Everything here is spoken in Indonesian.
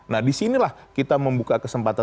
nah disinilah kita membuka kesempatan